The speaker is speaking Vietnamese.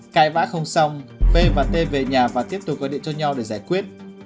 cài vã không xong v và t về nhà và tiếp tục gọi điện cho nhau để giải quyết